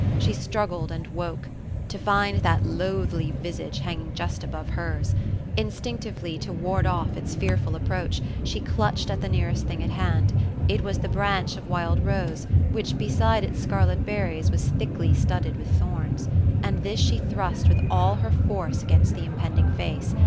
She struggled and woke, to find that loathly visage 1822 OPHELIA ; hanging just above hers. InstinctiTcly, to ward off its fearful approach, she clutched at the nearest thing at hand. It was the branch of wild rose, which, beside its scarlet berries, was thickly studded with thorns; and this she thrust with all her force against the impending face.